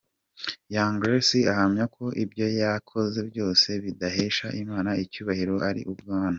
Young Grace ahamya ko ibyo yakoze byose bidahesha Imana icyubahiro ari ubwana.